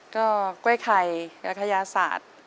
ก็กล้วยไข่และขยาสาส